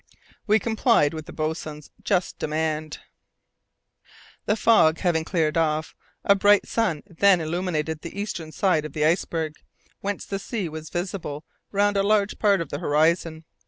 We complied with the boatswain's just demand. The fog having cleared off, a bright sun then illumined the eastern side of the iceberg, whence the sea was visible round a large part of the horizon.